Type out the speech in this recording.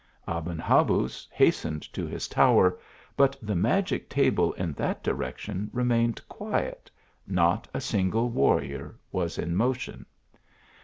Aben Habuz hastened to his tower, but the magic table in that direction remained quiet not a single warrior was in motion.